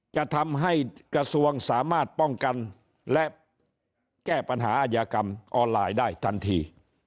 จะทำให้กระทรวงสามารถป้องกันและแก้ปัญหาอายากรรมออนไลน์ได้ทันที